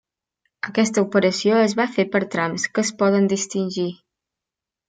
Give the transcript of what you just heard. Aquesta operació es va fer per trams, que es poden distingir.